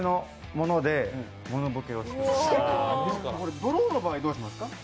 ドローの場合はどうしますか。